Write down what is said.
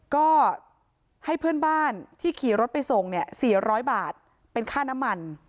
ก็ให้เพื่อนบ้านที่ขี่รถไปส่งเนี่ย๔๐๐บาทเป็นค่าน้ำมัน